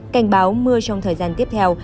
cảnh báo mưa trong thời gian tiếp theo